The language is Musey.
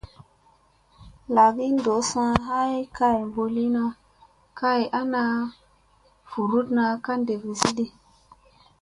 Lagi ɗossa ha kay mɓutlina kay ana vuruɗna ka ɗeffesidi.